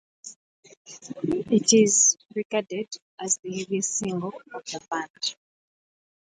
It is regarded as the heaviest single of the band.